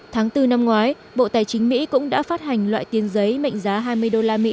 tháng bốn năm ngoái bộ tài chính mỹ cũng đã phát hành loại tiền giấy mệnh giá hai mươi usd